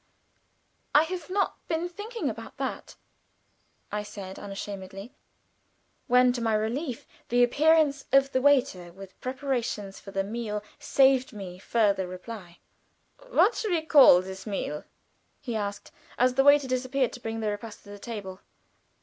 "I have not been thinking about that," I said, uncomfortably, when to my relief the appearance of the waiter with preparations for a meal saved me further reply. "What shall we call this meal?" he asked, as the waiter disappeared to bring the repast to the table.